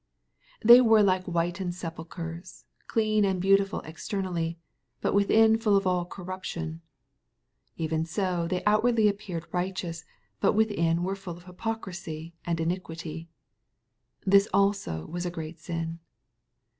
Thej were like whitened sepulchres, clean and beautiful ex ternally, but within full of all corruption. {^ Even ec they outwardly appeared righteous, but within were full of hypocrisy and iniquity.'' jThis also was a great sin.